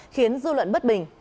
khiến dư luận bất bình